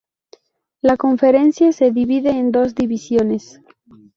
La conferencia se divide en dos divisiones.